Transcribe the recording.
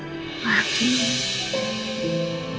mama akan memaksakan diri al